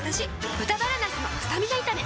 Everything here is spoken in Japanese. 「豚バラなすのスタミナ炒め」